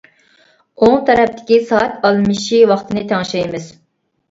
ئوڭ تەرەپتىكى سائەت ئالمىشى ۋاقتىنى تەڭشەيمىز.